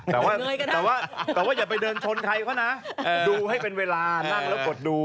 แต่ว่าแต่ว่าอย่าไปเดินชนใครเขานะดูให้เป็นเวลานั่งแล้วกดดู